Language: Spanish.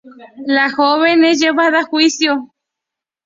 La joven es llevada a juicio.